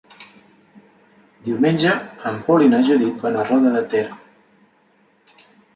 Diumenge en Pol i na Judit van a Roda de Ter.